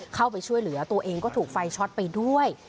เข้าไปช่วยเหลือตัวเองก็ถูกไฟช็อตไปด้วย